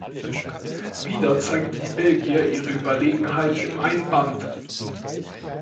Wieder zeigten die Belgier ihre Überlegenheit im Einband.